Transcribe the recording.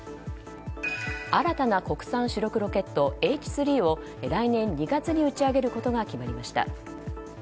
新たな国産主力ロケットＨ３を来年２月に打ち上げることが決まりました。